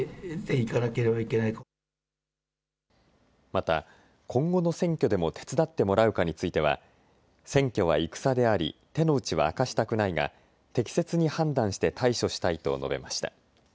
また今後の選挙でも手伝ってもらうかについては選挙は戦であり手の内は明かしたくないが適切に判断して対処したいと述べました。